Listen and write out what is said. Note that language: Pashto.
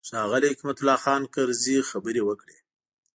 ښاغلي حکمت الله خان کرزي خبرې وکړې.